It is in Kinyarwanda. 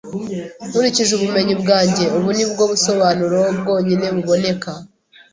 Nkurikije ubumenyi bwanjye, ubu ni bwo busobanuro bwonyine buboneka.